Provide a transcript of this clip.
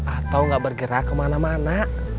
atau nggak bergerak kemana mana